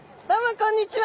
こんにちは。